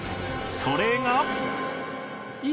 それが。